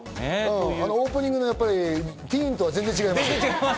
オープニングのティーンとは全然違います。